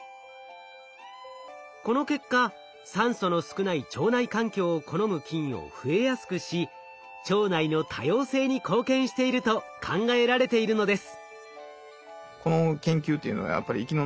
この結果酸素の少ない腸内環境を好む菌を増えやすくし腸内の多様性に貢献していると考えられているのです。